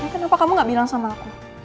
kenapa kamu gak bilang sama aku